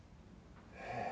ええ。